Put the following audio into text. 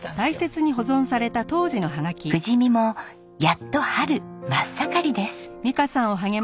「富士見もやっと春まっ盛りです」